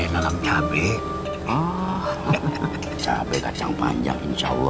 niu mendapatkan enggak enak